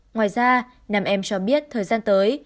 ngoài ra năm em cho biết thời gian tới